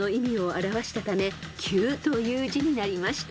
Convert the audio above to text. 表したため「急」という字になりました］